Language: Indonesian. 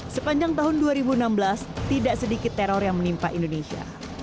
sepanjang tahun dua ribu enam belas tidak sedikit teror yang menimpa indonesia